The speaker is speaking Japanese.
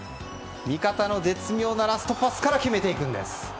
味方の絶妙なラストパスから決めていくんです。